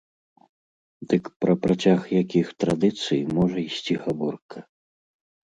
Дык пра працяг якіх традыцый можа ісці гаворка?!